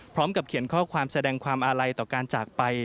พร้อมกับเขียนข้อความแสดงความอาลัยต่อการจากไป